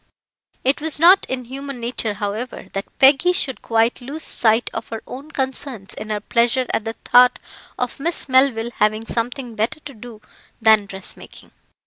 It was not in human nature, however, that Peggy should quite lose sight of her own concerns in her pleasure at the thought of Miss Melville having something better to do than dressmaking.